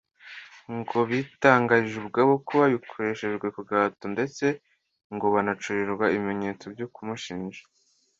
ngo bitangarije ubwabo ko babikoreshejwe ku gahato ndetse ngo banacurirwa ibimenyetso byo kumushinja